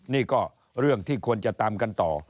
นี่ก็เรื่องที่ควรจะตามกันต่อ